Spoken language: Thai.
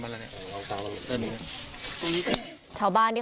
พอปิดปุ๊บเราก็คิดว่ามีคนอยู่